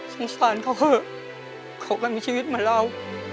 สงสารเขาเถอะเขาก็มีชีวิตเหมือนเรา